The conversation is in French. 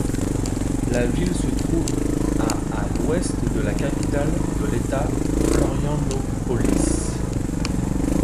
La ville se trouve à à l'ouest de la capitale de l'État, Florianópolis.